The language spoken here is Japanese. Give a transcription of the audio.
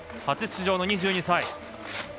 初出場の２２歳。